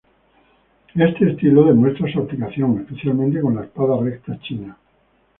Este estilo demuestra su aplicación especialmente con la espada recta china.